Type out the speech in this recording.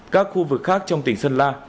các khu vực khác trong tỉnh sơn la